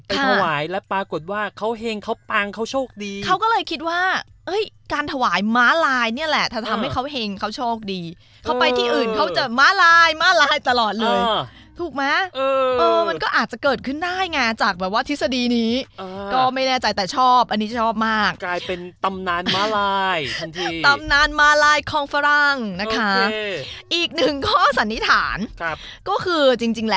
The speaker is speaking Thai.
เพราะว่านังนี้เล่ามามันเหมือนฟังดูตลกนะพี่รันเนอะ